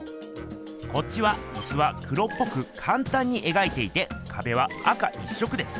こっちはいすは黒っぽくかんたんに描いていてかべは赤一色です。